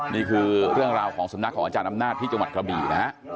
นี่คือเรื่องราวของสำนักของอาจารย์อำนาจที่จังหวัดกระบี่นะฮะ